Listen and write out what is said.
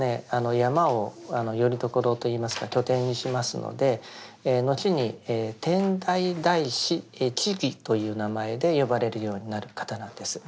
山をよりどころといいますか拠点にしますのでのちに「天台大師智」という名前で呼ばれるようになる方なんです。